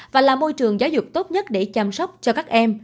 và là môi trường giáo dục tốt nhất để chăm sóc cho các em